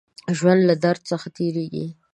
ژوندي له درد څخه تېرېږي